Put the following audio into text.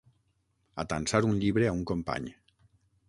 Atansar un llibre a un company.